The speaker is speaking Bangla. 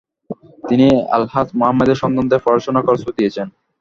তিনি আলহাজ মুহাম্মদের সন্তানদের পড়াশোনার খরচও দিয়েছেন।